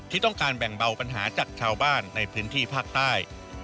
ที่ต้องการแบ่งเบาปัญหาจากชาวบ้านในพื้นที่ภาคใต้